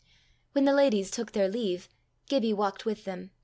When the ladies took their leave, Gibbie walked with them.